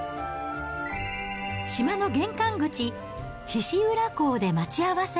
島の玄関口、菱浦港で待ち合わせ。